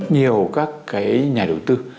nhiều các nhà đầu tư